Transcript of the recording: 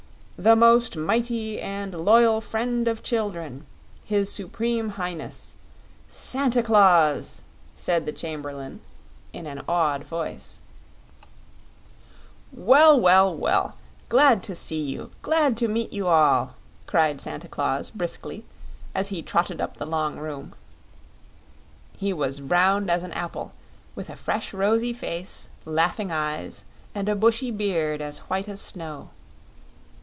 "The most Mighty and Loyal Friend of Children, His Supreme Highness Santa Claus!" said the Chamberlain, in an awed voice. "Well, well, well! Glad to see you glad to meet you all!" cried Santa Claus, briskly, as he trotted up the long room. He was round as an apple, with a fresh rosy face, laughing eyes, and a bushy beard as white as snow.